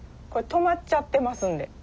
これ止まっちゃってますんで。